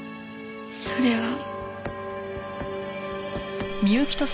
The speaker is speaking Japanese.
それは。